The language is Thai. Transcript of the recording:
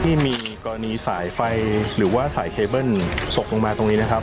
ที่มีกรณีสายไฟหรือว่าสายเคเบิ้ลตกลงมาตรงนี้นะครับ